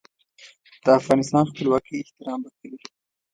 د افغانستان خپلواکۍ احترام به کوي.